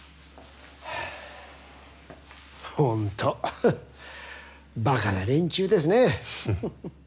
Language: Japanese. ホントバカな連中ですねぇ。